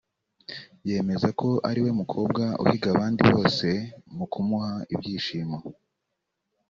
yemeza ko ariwe mukobwa uhiga abandi bose mu kumuha ibyishimo